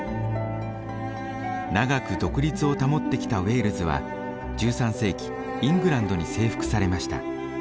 長く独立を保ってきたウェールズは１３世紀イングランドに征服されました。